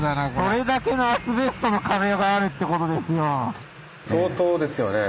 それだけのアスベストの壁があるってことですよ！